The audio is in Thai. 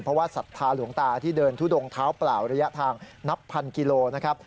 เพราะว่าศรัทธาหลวงตาที่เดินทุดงเท้าเปล่าระยะทางนับพันกิโลนะครับ